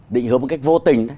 định hướng một cách vô tình